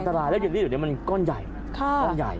เยลลี่เดี๋ยวนี้มันก้อนใหญ่